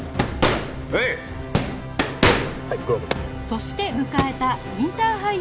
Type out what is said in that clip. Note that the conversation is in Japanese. そして迎えたインターハイ予選